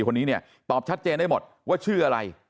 คนนี้เนี่ยตอบชัดเจนได้หมดว่าชื่ออะไร